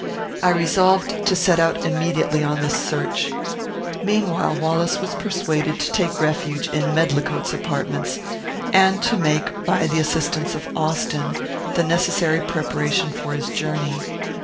I resolved to set out immediately on this search. Meanwhile, Wallace was persuaded to take refuge in Medlicote's apartments; and to make, by the assistance of Austin, the necessary preparation for his journey.